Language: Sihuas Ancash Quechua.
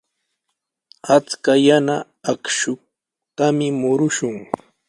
Achka yana akshutami murushun.